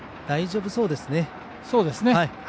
大丈夫そうですね。